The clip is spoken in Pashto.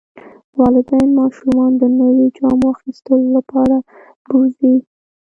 والدین ماشومان د نویو جامو اخیستلو لپاره بوځي.